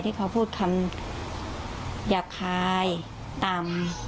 ที่เขาพูดคำหยาบคายต่ำ